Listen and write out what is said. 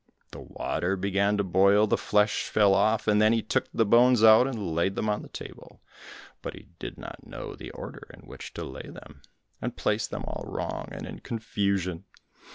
The water began to boil, the flesh fell off, and then he took the bones out and laid them on the table, but he did not know the order in which to lay them, and placed them all wrong and in confusion.